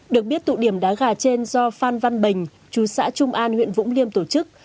được biết tụ điểm đá gà trên do phan văn bình chú xã trung an huyện vũng liêm tổ chức